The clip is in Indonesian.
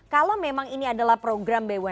kalau memang ini adalah program bumn